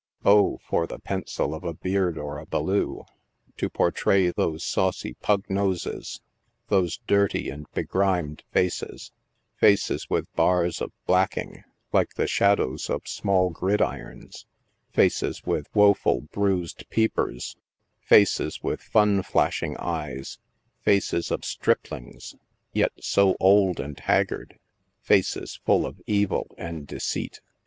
0, for the pencil of a Beard or a Bellew, to portray those saucy pug noses, those dirty and begrimed faces ! Faces with bars of blacking, like the shadows of small gridirons — faces with wceful bruised peepers— faces with fun flashing eyes — faces of striplings, yet so old and haggard — faces full of evil and deceit.